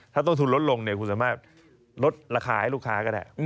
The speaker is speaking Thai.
ถ้าต้นทุนลดลงเนี่ยคุณสามารถลดราคาให้ลูกค้าก็ได้